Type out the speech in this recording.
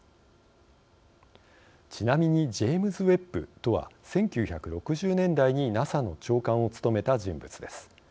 ちなみにジェームズ・ウェッブとは１９６０年代にＮＡＳＡの長官を務めた人物です。